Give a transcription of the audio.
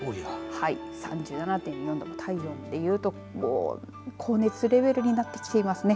３７．４度、体温で言うと高熱レベルになってきていますね。